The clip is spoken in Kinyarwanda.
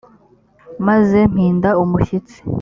maze mpinda umushyitsi